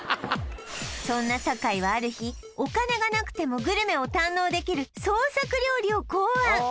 そんな酒井はある日お金がなくてもグルメを堪能できる創作料理を考案